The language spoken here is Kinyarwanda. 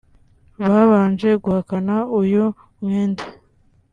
Babanje guhakana uyu mwenda